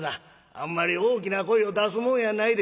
あんまり大きな声を出すもんやないで」。